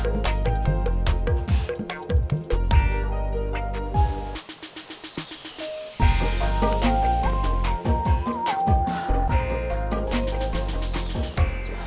jail butterfly menyittenger hal ini tidak berakhir di belanda